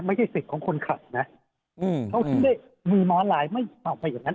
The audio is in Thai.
ไม่ใช่สิทธิ์ของคนขัดนะเขาจะได้มือมาลายไม่ออกมาอย่างนั้น